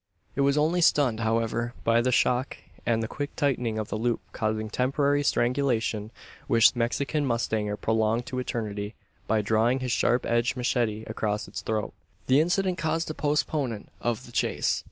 It was only stunned, however, by the shock, and the quick tightening of the loop causing temporary strangulation; which the Mexican mustanger prolonged to eternity, by drawing his sharp edged machete across its throat. The incident caused a postponement of the chase.